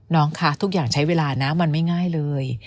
น้องคะทุกอย่างใช้เวลานะมันไม่ง่ายเลย